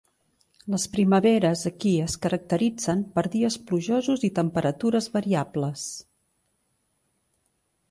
Les primaveres aquí es caracteritzen per dies plujosos i temperatures variables.